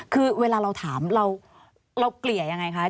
คือเวลาเราถามเราเกลี่ยยังไงคะ